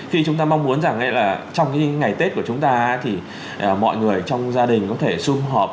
khi chúng ta mong muốn rằng là trong cái ngày tết của chúng ta thì mọi người trong gia đình có thể xung họp